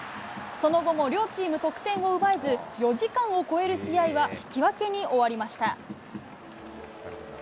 その後も両チーム得点を奪えず、４時間を超える試合は、引き分けに終わりました。